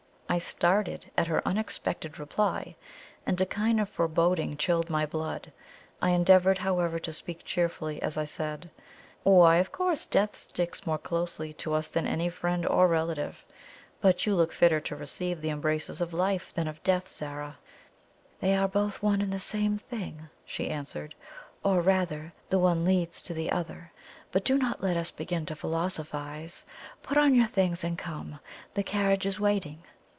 I started at her unexpected reply, and a kind of foreboding chilled my blood. I endeavoured, however, to speak cheerfully as I said: "Why, of course, death sticks more closely to us than any friend or relative. But you look fitter to receive the embraces of life than of death, Zara." "They are both one and the same thing," she answered; "or rather, the one leads to the other. But do not let us begin to philosophize. Put on your things and come. The carriage is waiting."